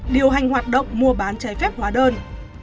điều hành hoạt động mua bán trái phép hóa đơn